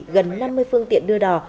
gần năm mươi phương tiện đưa đỏ